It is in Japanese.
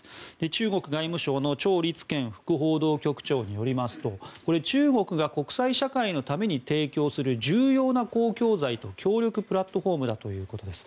中国外務省のチョウ・リツケン副報道局長によりますと中国が国際社会のために提供するための重要な公共財と協力プラットフォームだということです。